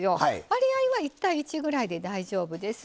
割合は１：１ぐらいで大丈夫です。